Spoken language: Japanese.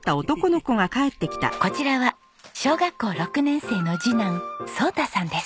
こちらは小学校６年生の次男蒼大さんです。